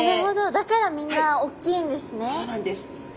だからみんなおっきいんですね。